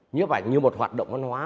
nhiếp ảnh như một hoạt động văn hóa